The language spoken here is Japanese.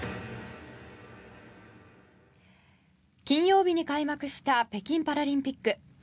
金曜日に開幕した北京パラリンピック。